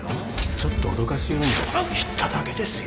ちょっと脅かすように言っただけですよ